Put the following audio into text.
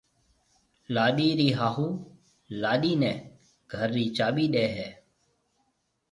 لاڏيِ رِي هاهوُ لاڏيِ نَي گھر رِي چاٻِي ڏَي هيَ۔